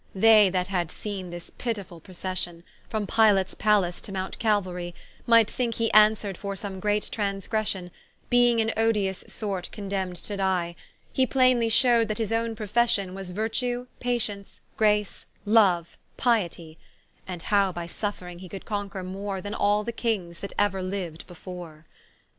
They that had seene this pitifull Procession, From Pilates Palace to Mount Caluarie, Might thinke he answer'd for some great transgression, Beeing in odious sort condemn'd to die; He plainely shewed that his owne profession Was virtue, patience, grace, loue, piety; And how by suffering he could conquer more Than all the Kings that euer liu'd before.